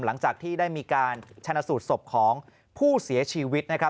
หลังจากที่ได้มีการชนะสูตรศพของผู้เสียชีวิตนะครับ